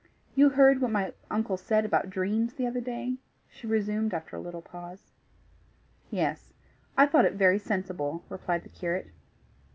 You heard what my uncle said about dreams the other day?" she resumed after a little pause. "Yes. I thought it very sensible," replied the curate.